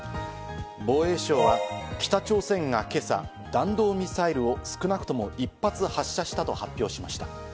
防衛省は北朝鮮が今朝、弾道ミサイルを少なくとも１発発射したと発表しました。